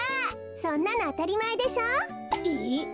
そんなのあたりまえでしょ？え？